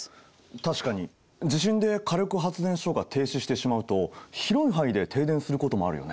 確かに地震で火力発電所が停止してしまうと広い範囲で停電することもあるよね。